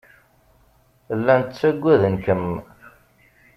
Llan ttagaden-kem.